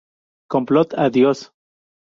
Complot ¡Adiós!